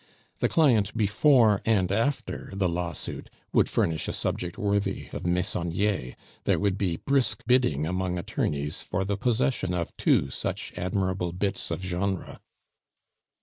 The client before and after the lawsuit would furnish a subject worthy of Meissonier; there would be brisk bidding among attorneys for the possession of two such admirable bits of genre.